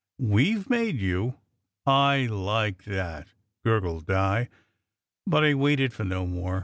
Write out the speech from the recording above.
"We ve made you? I like that!" gurgled Di. But I waited for no more.